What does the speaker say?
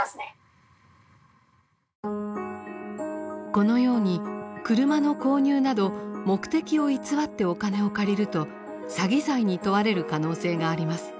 このように車の購入など目的を偽ってお金を借りると詐欺罪に問われる可能性があります。